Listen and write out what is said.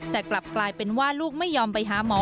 แต่กลับกลายเป็นว่าลูกไม่ยอมไปหาหมอ